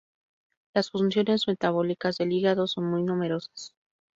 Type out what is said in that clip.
Las funciones metabólicas del hígado son muy numerosas.